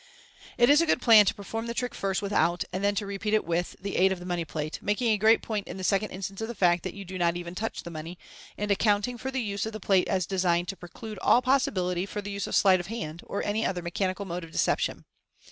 It is a good plan to perform the trick first without, and then to repeat it with, the aid of the money plate, making a great point in the second instance of the fact that you do not even touch the money, and accounting for the use of the plate as designed to preclude all possibility of the use of sleight of hand, or any other mechanical mode of deception.